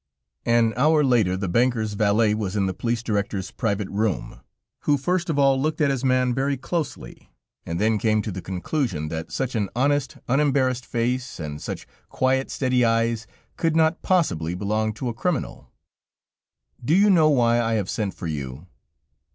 An hour later, the banker's valet was in the police director's private room, who first of all looked at his man very closely, and then came to the conclusion that such an honest, unembarrassed face, and such quiet, steady eyes could not possibly belong to a criminal. "Do you know why I have sent for you?"